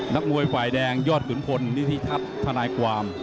นักมวยฝ่ายแดงยอดขุนพลนิธิทัศน์ธนายความ